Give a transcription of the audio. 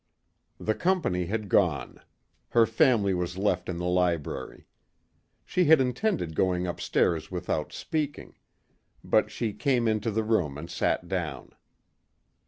The company had gone. Her family was left in the library. She had intended going upstairs without speaking. But she came into the room and sat down.